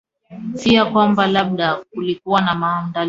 fear kwamba labda kulikuwa na maandalizi